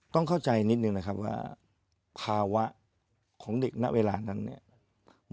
ต้องเข้าใจนิดนึงนะครับว่าภาวะของเด็กณเวลานั้นเนี่ย